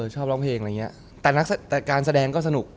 ชอบร้องเพลงอะไรอย่างนี้แต่การแสดงก็สนุก